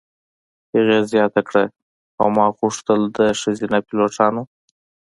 هغې زیاته کړه: "او ما غوښتل د ښځینه پیلوټانو.